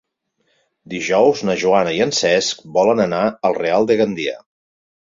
Dijous na Joana i en Cesc volen anar al Real de Gandia.